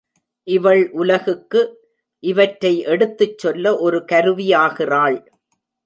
இவள் உலகுக்கு இவற்றை எடுத்துச் சொல்ல ஒரு கருவியாகிறாள்.